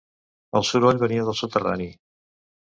El soroll venia del soterrani.